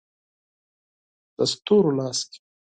د ستورو لاس کې